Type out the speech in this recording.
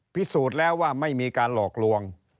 พิสูจน์แล้วว่าไม่มีการหลอกลวง